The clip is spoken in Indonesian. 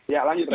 ya lanjut rey